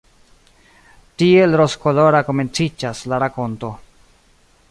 Tiel rozkolora komenciĝas la rakonto.